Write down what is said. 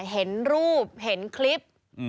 เห็นรูปเห็นคลิป